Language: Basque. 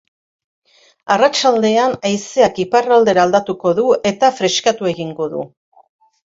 Arratsaldean haizeak iparraldera aldatuko da eta freskatu egingo du.